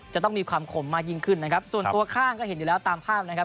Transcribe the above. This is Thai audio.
จะต้องมีความขมมากยิ่งขึ้นนะครับส่วนตัวข้างก็เห็นอยู่แล้วตามภาพนะครับ